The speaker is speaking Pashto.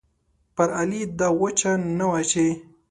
پر علي دا وچه نه وه چې